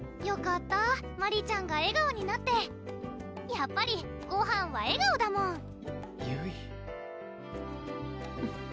よかったマリちゃんが笑顔になってやっぱりごはんは笑顔だもんゆい